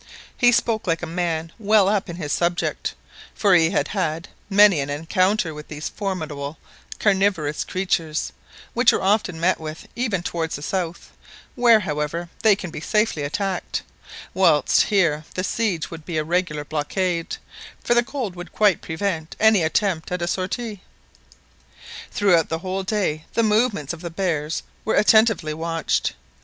He spoke like a man well up in his subject, for he had had many an encounter with these formidable carnivorous creatures, which are often met with even towards the south, where, however, they can be safely attacked, whilst here the siege would be a regular blockade, for the cold would quite prevent any attempt at a sortie. Throughout the whole day the movements of the bears were attentively watched.